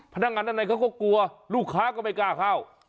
พนักงานด้านในเขาก็กลัวลูกค้าก็ไม่กล้าเข้า